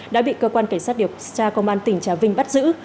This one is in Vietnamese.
đã bị cơ quan cảnh sát điều tra công an tỉnh trà vinh bắt giữ